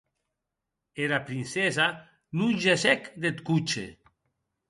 Era Princesa non gessec deth coche.